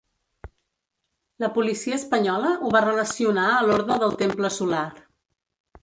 La policia espanyola ho va relacionar a l'Orde del Temple Solar.